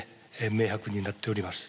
明白になっております。